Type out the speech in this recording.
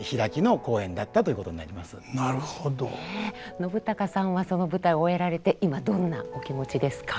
信朗さんはその舞台終えられて今どんなお気持ちですか？